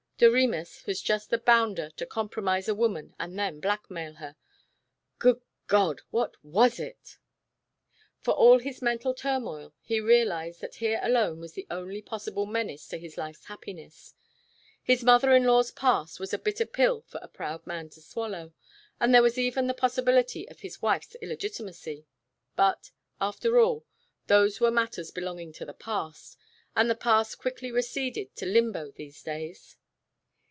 ... Doremus was just the bounder to compromise a woman and then blackmail her.... Good God! What was it? For all his mental turmoil he realized that here alone was the only possible menace to his life's happiness. His mother in law's past was a bitter pill for a proud man to swallow, and there was even the possibility of his wife's illegitimacy, but, after all, those were matters belonging to the past, and the past quickly receded to limbo these days.